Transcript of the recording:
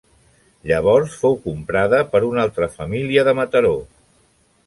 Llavors fou comprada per una altra família de Mataró.